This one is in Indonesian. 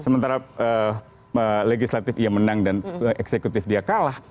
sementara legislatif ia menang dan eksekutif dia kalah